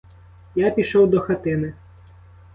Я пішов до хатини.